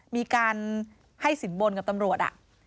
มีการให้สินบนกับตำรวจ